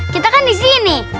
kita kan di sini